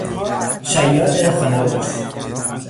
شیاد خانهبهدوش